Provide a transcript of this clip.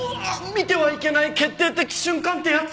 見てはいけない決定的瞬間ってやつ？